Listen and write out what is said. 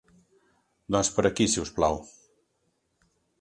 Doncs per aquí si us plau.